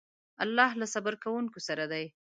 الله له صبر کوونکو سره دی.